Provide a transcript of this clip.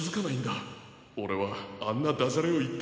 オレはあんなダジャレをいったりしないぞ。